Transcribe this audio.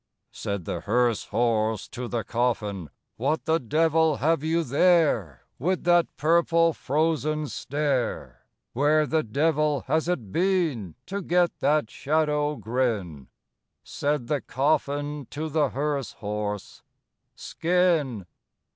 Said the hearse horse to the coffin, "What the devil have you there, With that purple frozen stare? Where the devil has it been To get that shadow grin?" Said the coffin to the hearse horse, "Skin!"